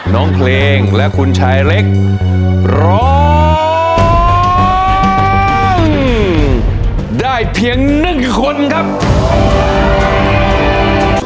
น้องเพลงและคุณชายเล็กร้องได้เพียงหนึ่งคนครับ